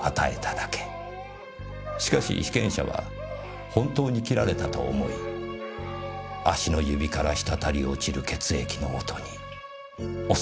しかし被験者は本当に切られたと思い足の指から滴り落ちる血液の音に恐れおののいた。